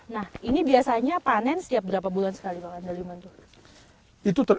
nah ini biasanya panen setiap berapa bulan sekali pak andaliman dulu